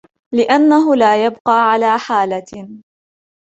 لِأَنَّهُ لَا يَبْقَى عَلَى حَالَةٍ